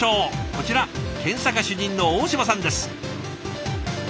こちら検査課主任の大嶋さんです。